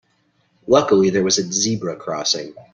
Luckily there was a zebra crossing.